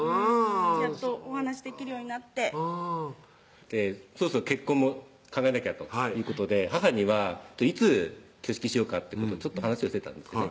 やっとお話できるようになってそろそろ結婚も考えなきゃということで母にはいつ挙式しようかってこと話をしてたんですよね